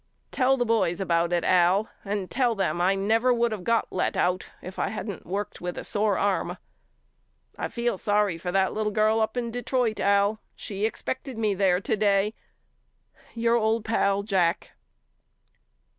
Tell the boys about it Al and tell them I never would of got let out if I hadn't worked with a sore arm. I feel sorry for that little girl up in Detroit Al. She expected me there today. Your old pal, JACK.